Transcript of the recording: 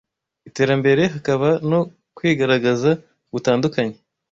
iterambere hakaba no kwigaragaza gutandukanye